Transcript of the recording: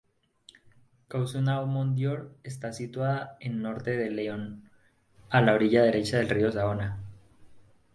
Couzon-au-Mont-d'Or está situada en norte de Lyon, a la orilla derecha del río Saona.